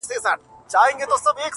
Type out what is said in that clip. صندان د محبت دي په هر واري مخته راسي؛